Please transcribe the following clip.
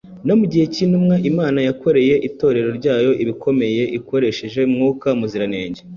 No mu gihe cy’intumwa, Imana yakoreye Itorero ryayo ibikomeye ikoresheje Mwuka Muziranenge.